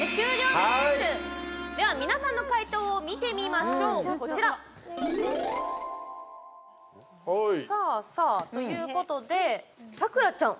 では、皆さんの解答を見てみましょう、こちら。ということで、咲楽ちゃん。